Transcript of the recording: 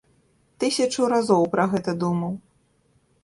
Тысячу разоў пра гэта думаў.